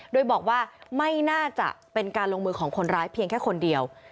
โดยบอกว่าไม่น่าจะเป็นการลงมือของคนร้ายเพียงแค่คนเดียว